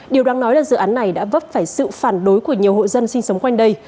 điều đáng nói là dự án này đã vấp phải sự phản đối của nhiều hộ dân sinh sống quanh đây